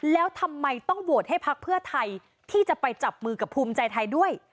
แล้วทำไมต้องโหวตให้พักเพื่อไทยที่จะไปจับมือกับภูมิใจไทยด้วย